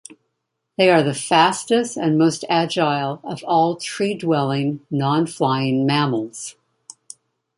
They are the fastest and most agile of all tree-dwelling, nonflying mammals.